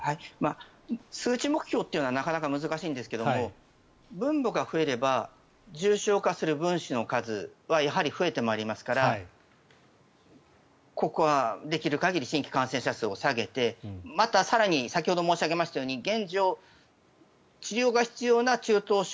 数値目標というのはなかなか難しいんですが分母が増えれば重症化する分子の数はやはり増えてまいりますからここはできる限り新規感染者数を下げてまた、更に先ほど申し上げましたように現状、治療が必要な中等症